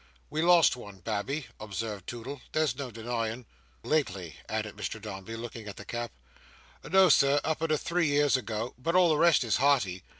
"We lost one babby," observed Toodle, "there's no denyin'." "Lately," added Mr Dombey, looking at the cap. "No, Sir, up'ard of three years ago, but all the rest is hearty.